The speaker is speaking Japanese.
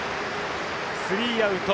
スリーアウト。